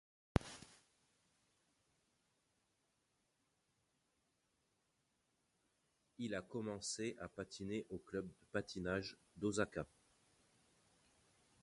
Il a commencé à patiner au club de patinage d'Ōsaka.